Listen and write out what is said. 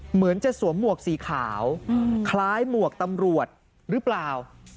เหมือนจะสวมหมวกสีขาวคล้ายหมวกตำรวจหรือเปล่า